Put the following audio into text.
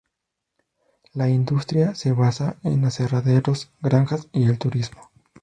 La industria se basa en aserraderos, granjas y el turismo.